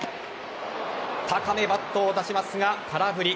高めバットを出しますが空振り。